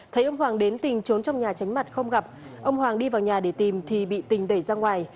thấy ông hoàng đến tìm trốn trong nhà tránh mặt không gặp ông hoàng đi vào nhà để tìm thì bị tình đẩy ra ngoài